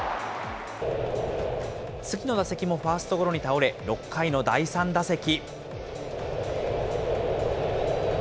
次の打席もファーストゴロに倒れ、６回の第３打席。